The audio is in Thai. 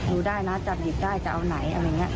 ดูได้นะจับหยิบได้จะเอาไหนอะไรอย่างนี้